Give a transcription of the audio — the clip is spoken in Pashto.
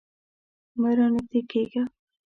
مه رانږدې کیږه